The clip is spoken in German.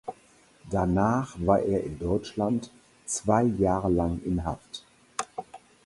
Danach war er in Deutschland zwei Jahre lang in Haft.